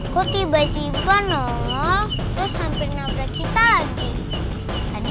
kok tiba tiba nol terus hampir nabrak kita lagi